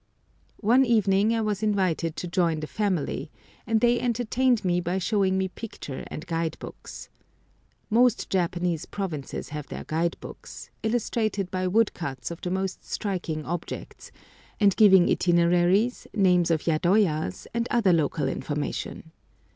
One evening I was invited to join the family, and they entertained me by showing me picture and guide books. Most Japanese provinces have their guide books, illustrated by wood cuts of the most striking objects, and giving itineraries, names of yadoyas, and other local information.